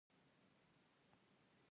د دې فرضي اجتماع یوه مهمه ځانګړتیا ده.